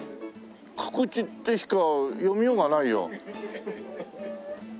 「くくち」ってしか読みようがないよ。